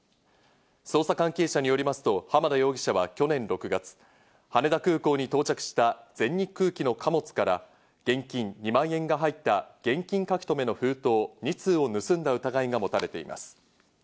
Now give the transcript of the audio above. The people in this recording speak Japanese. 捜査関係者によりますと浜田容疑者は去年６月、羽田空港に到着した全日空機の貨物から、現金２万円が入った現金書留の封筒２通を盗んだ疑いが持たれています。